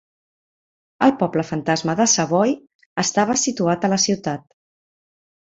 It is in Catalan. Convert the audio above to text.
El poble fantasma de Savoy estava situat a la ciutat.